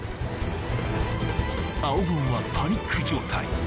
青軍はパニック状態